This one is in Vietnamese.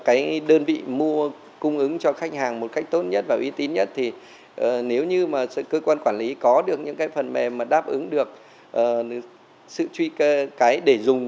cái đơn vị mua cung ứng cho khách hàng một cách tốt nhất và uy tín nhất thì nếu như mà cơ quan quản lý có được những cái phần mềm mà đáp ứng được sự truy cơ cái để dùng